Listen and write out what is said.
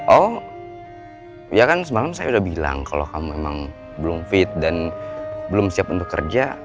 oh ya kan semalam saya udah bilang kalau kamu memang belum fit dan belum siap untuk kerja